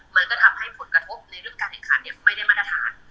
มันก็ทำให้ผลกระทบในเรื่องการแข่งขันไม่ได้มาตรฐาน